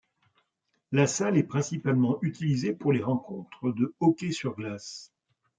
La salle est principalement utilisée pour les rencontres de hockey sur glace.